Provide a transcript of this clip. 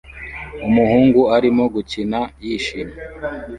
Umuhungu arimo gukina yishimye